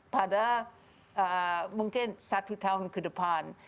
pada mungkin satu tahun ke depan